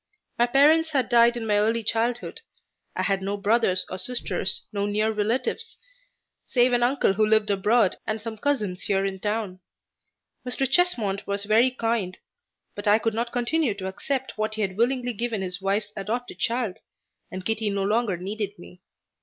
My parents had died in my early childhood. I had no brothers or sisters, no near relatives, save an uncle who lived abroad and some cousins here in town. Mr. Chesmond was very kind, but I could not continue to accept what he had willingly given his wife's adopted child, and Kitty no longer needed me.